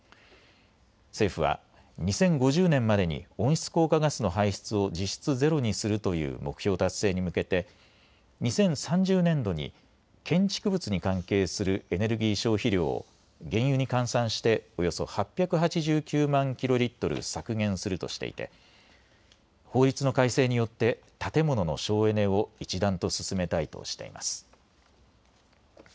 政府は２０５０年までに温室効果ガスの排出を実質ゼロにするという目標達成に向けて２０３０年度に建築物に関係するエネルギー消費量を原油に換算しておよそ８８９万キロリットル削減するとしていて法律の改正によって建物の省エネを一段と進めたいとしています。